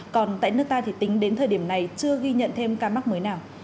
còn tại nước ta thì tính đến thời điểm này chưa ghi nhận thêm ca mắc mới nào